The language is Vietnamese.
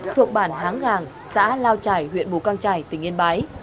thuộc bản háng gàng xã lao trải huyện mù căng trải tỉnh yên bái